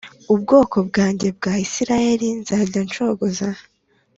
ubwoko bwanjye bwa Isirayeli nzajya ncogoza